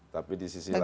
tapi di sisi lain